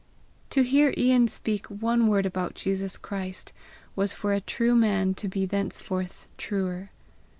To hear Ian speak one word about Jesus Christ, was for a true man to be thenceforth truer.